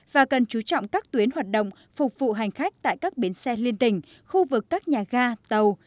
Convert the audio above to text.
và cần chú trọng các tuyến hoạt động phục vụ hành khách tại các bến xe liên tỉnh khu vực các nhà ga tàu